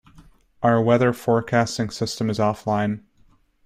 Our weather forecasting system is offline.